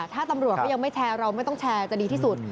ถ้าตำรวจเขายังไม่แชร์เราไม่ต้องแชร์จะดีที่สุด